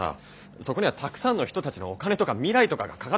そこにはたくさんの人たちのお金とか未来とかがかかってるわけでさ。